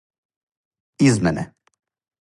измене